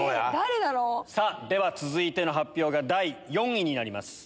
さぁ続いての発表が第４位になります。